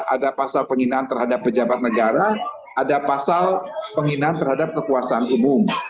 ada pasal penghinaan terhadap pejabat negara ada pasal penghinaan terhadap kekuasaan umum